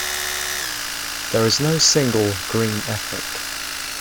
There is no single "Green Ethic".